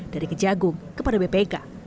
dari kejagung kepada bpk